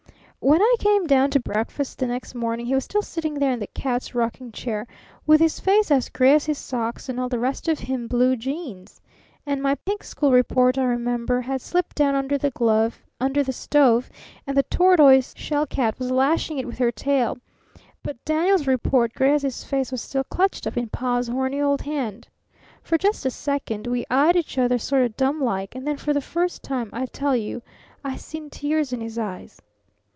_' "When I came down to breakfast the next morning, he was still sitting there in the cat's rocking chair, with his face as gray as his socks, and all the rest of him blue jeans. And my pink school report, I remember, had slipped down under the stove, and the tortoise shell cat was lashing it with her tail; but Daniel's report, gray as his face, was still clutched up in Pa's horny old hand. For just a second we eyed each other sort of dumb like, and then for the first time, I tell you, I seen tears in his eyes.